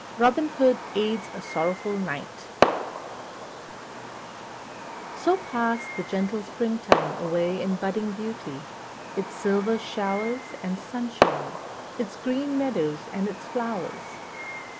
Robin Hood Aids a Sorrowful Knight SO PASSED the gentle springtime away in budding beauty; its silver showers and sunshine, its green meadows and its flowers.